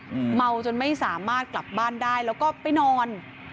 เมาจนไม่สามารถกลับบ้านได้แล้วก็ไปนอน